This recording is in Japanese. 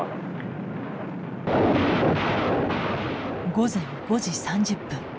午前５時３０分。